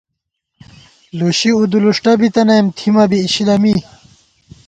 لُشی اُودُولُوݭٹہ بِتَنَئیم ، تھِمہ بی اِشِلہ می